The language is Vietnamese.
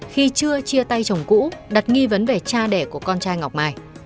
khi chưa chia tay chồng cũ đặt nghi vấn về cha đẻ của con trai ngọc mai